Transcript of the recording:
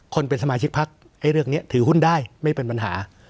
คนเป็นสมาชิกพักเรื่องนี้ถือหุ้นได้ไม่เป็นปัญหา